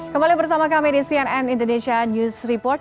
kembali bersama kami di cnn indonesia news report